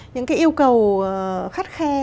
những cái yêu cầu khắt khe